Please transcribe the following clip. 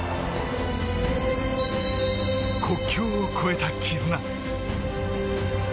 国境を超えた絆。